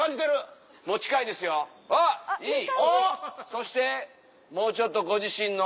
そしてもうちょっとご自身の。